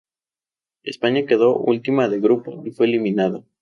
España quedó última de grupo y fue eliminada.